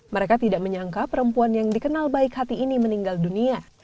mereka tidak menyangka perempuan yang dikenal baik hati ini meninggal dunia